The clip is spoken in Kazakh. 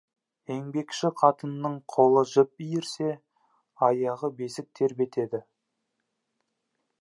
Еңбекші қатынның қолы жіп иірсе, аяғы бесік тербетеді.